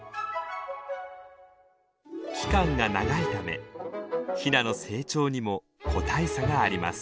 期間が長いためヒナの成長にも個体差があります。